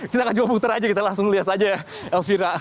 kita akan coba putar saja kita langsung lihat saja elvira